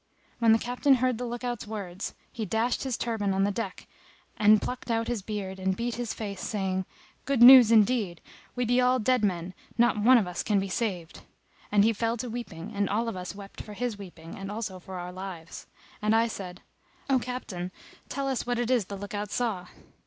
When the Captain heard the look out's words he dashed his turband on the deck and plucked out his beard and beat his face saying, "Good news indeed! we be all dead men; not one of us can be saved." And he fell to weeping and all of us wept for his weeping and also for our lives; and I said, "O Captain, tell us what it is the look out saw."